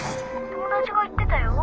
「友達が言ってたよ」。